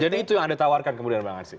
jadi itu yang anda tawarkan kemudian bang arsik